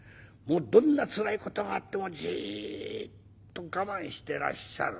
どんなつらい事があってもじっと我慢してらっしゃる。